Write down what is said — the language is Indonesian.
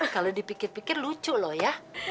kalau dipikir pikir lucu loh ya